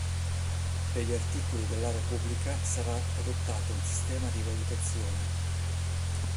Per gli articoli dell'area pubblica sarà adottato un sistema di valutazione.